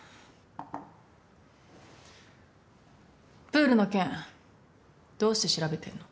プールの件どうして調べてんの？